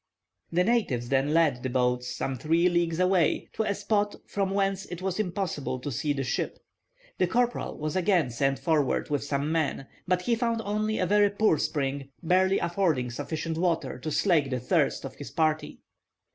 The natives then led the boats some three leagues away, to a spot from whence it was impossible to see the ship. The corporal was again sent forward with some men, but he found only a very poor spring, barely affording sufficient water to slake the thirst of his party.